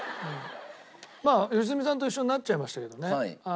まあ良純さんと一緒になっちゃいましたけどね。